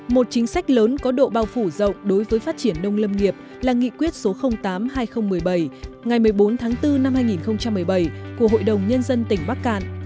một chính sách lớn có độ bao phủ rộng đối với phát triển nông lâm nghiệp là nghị quyết số tám hai nghìn một mươi bảy ngày một mươi bốn tháng bốn năm hai nghìn một mươi bảy của hội đồng nhân dân tỉnh bắc cạn